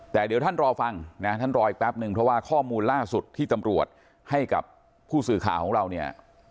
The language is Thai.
แต่เดี๋ยวท่านรอฟังนะท่านรออีกแป๊บนึงเพราะว่าข้อมูลล่าสุดที่ตำรวจให้กับผู้สื่อข่าวของเราเนี่ย